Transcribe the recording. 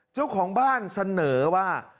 เจ้าของบ้านเสนอว่า